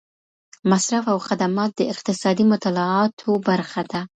مصرف او خدمات د اقتصادي مطالعاتو برخه ده.